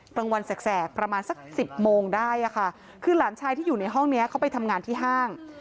กลางวันแสกประมาณสักสิบโมงได้ค่ะคือหลานชายที่อยู่ในห้องนี้เขาไปทำงานที่ห้าง